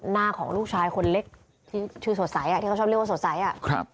หน้าของลูกชายคนเล็กชื่อสวสัยอ่ะที่เขาชอบเรียกว่าสวสัยอ่ะ